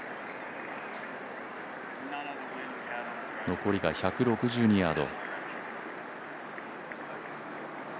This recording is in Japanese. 残りが１６２ヤード。